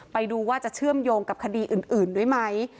ไปดูว่าจะเชื่อมโยงกับคดีอื่นด้วยไหม